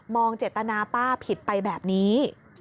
เจตนาป้าผิดไปแบบนี้